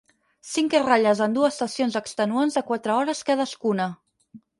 Cinc ratlles en dues sessions extenuants de quatre hores cadascuna!